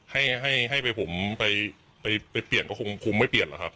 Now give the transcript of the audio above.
ให้ผมไปเปลี่ยนก็คงคงไม่เปลี่ยนหรอครับ